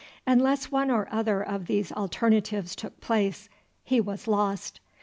Unless one or other of these alternatives took place, he was lost.